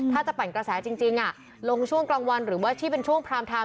ถ้าจะปั่นกระแสจริงลงช่วงกลางวันหรือว่าที่เป็นช่วงพรามไทม์